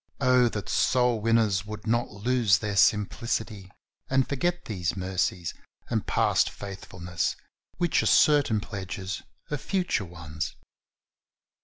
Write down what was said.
Oh, that soul winners would not lose their simplicity 104 THE soul winner's SECRET. and forget these mercies and past faithful ness, which are certain pledges of future ones